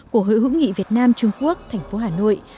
của hội hữu nghị việt nam trung quốc thành phố hà nội